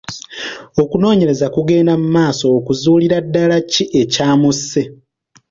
Okunoonyereza kugenda mu maaso okuzuulira ddala ki ekyamusse.